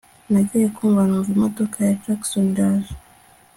nagiye kumva numva imodoka ya Jackson iraje